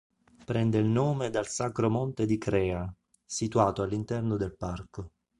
Prende il nome dal Sacro Monte di Crea, situato all'interno del parco.